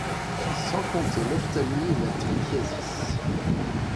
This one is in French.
Sans compter l'ophtalmie et la trichiasis.